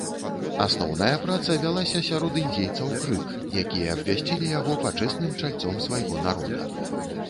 Асноўная праца вялася сярод індзейцаў крык, якія абвясцілі яго пачэсным чальцом свайго народа.